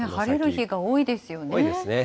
多いですね。